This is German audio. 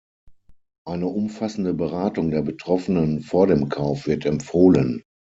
Eine umfassende Beratung der Betroffenen vor dem Kauf wird empfohlen.